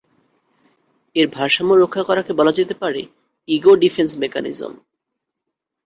এর ভারসাম্য রক্ষা করাকে বলা যেতে পারে ইগো ডিফেন্স মেকানিজম।